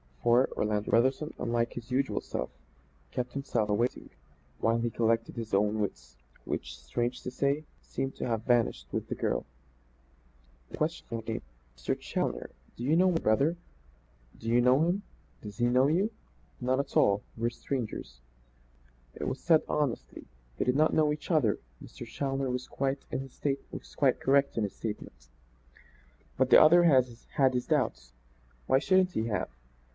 For, Orlando Brotherson, unlike his usual self, kept him waiting while he collected his own wits, which, strange to say, seemed to have vanished with the girl. But the question finally came. "Mr. Challoner, do you know my brother?" "I have never seen him." "Do you know him? Does he know you?" "Not at all. We are strangers." It was said honestly. They did not know each other. Mr. Challoner was quite correct in his statement. But the other had his doubts. Why shouldn't he have?